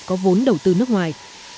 có vốn đầu tư nước ngoài